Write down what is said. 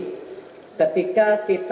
ketika kita mencari motor klasik harley davidson